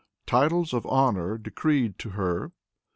Titles of Honor Decreed to Her.